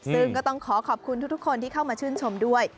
ซึ่งก็ต้องขอขอบคุณทุกคนที่เข้ามาชื่นชมด้วย